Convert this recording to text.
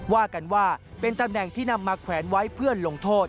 ว่ากันว่าเป็นตำแหน่งที่นำมาแขวนไว้เพื่อลงโทษ